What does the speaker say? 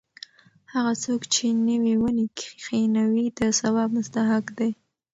هغه څوک چې نوې ونې کښېنوي د ثواب مستحق دی.